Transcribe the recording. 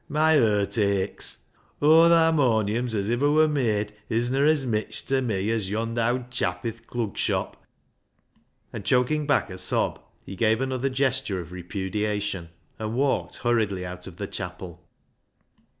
My hert aches. Aw th' harmonions as iver wur made isna as mitch ta me as yond' owd chap i' th' Clug Shop," and choking back a sob, he gave another gesture of repudiation, and walked hurriedly out of the chapel.